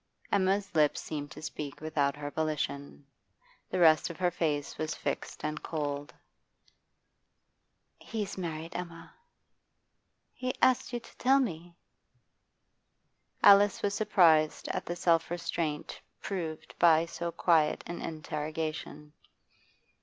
Emma's lips seemed to speak without her volition. The rest o her face was fixed and cold. 'He's married, Emma.' 'He asked you to tell me?' Alice was surprised at the self restraint proved by so quiet an interrogation.